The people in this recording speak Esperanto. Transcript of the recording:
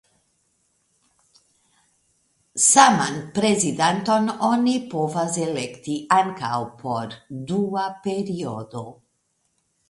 Saman prezidanton oni povas elekti ankaŭ por dua periodo.